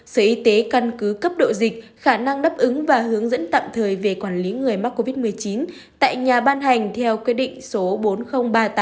sở y tế căn cứ cấp độ dịch khả năng đáp ứng và hướng dẫn tạm thời về quản lý người mắc covid một mươi chín tại nhà ban hành theo quyết định số bốn nghìn ba mươi tám